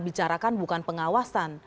bicarakan bukan pengawasan